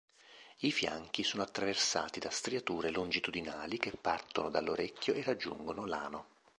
I fianchi sono attraversati da striature longitudinali che partono dall'orecchio e raggiungono l'ano.